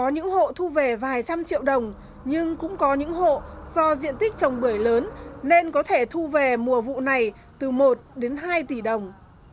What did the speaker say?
những hộ thu về vài trăm triệu đồng nhưng cũng có những hộ do diện tích trồng bưởi lớn nên có thể thu về mùa vụ này từ một đến hai tỷ đồng